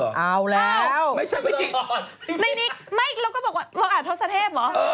เอาแล้วไม่ใช่ว่าที่ไม่แล้วก็บอกว่าอาจทศเทพเหรอ